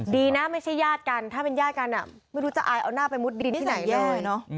ดีนะไม่ใช่ญาติกันถ้าเป็นญาติกันไม่รู้จะอายเอาหน้าไปมุดดินที่ไหนแย่เนอะ